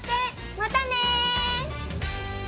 またね。